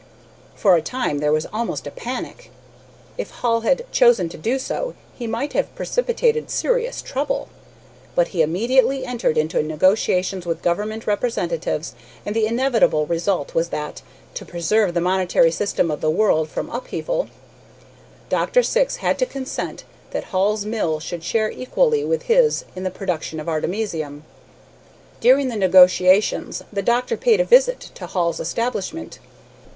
For a time there was almost a panic. If Hall had chosen to do so, he might have precipitated serious trouble. But he immediately entered into negotiations with government representatives, and the inevitable result was that, to preserve the monetary system of the world from upheaval, Dr. Syx had to consent that Hall's mill should share equally with his in the production of artemisium. During the negotiations the doctor paid a visit to Hall's establishment.